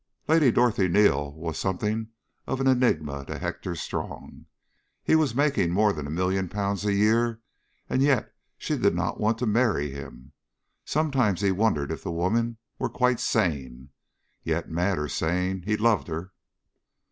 Lady Dorothy Neal was something of an enigma to Hector Strong. He was making more than a million pounds a year, and yet she did not want to marry him. Sometimes he wondered if the woman were quite sane. Yet, mad or sane, he loved her.